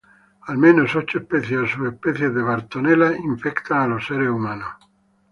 Al menos ocho especies o subespecies de "Bartonella" infectan a los seres humanos.